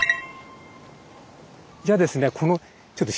じゃあですね